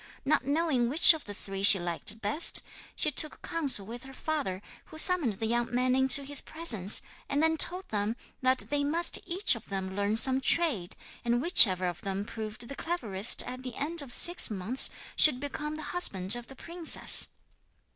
Not knowing which of the three she liked best, she took counsel with her father, who summoned the young men into his presence, and then told them that they must each of them learn some trade, and whichever of them proved the cleverest at the end of six months should become the husband of the princess.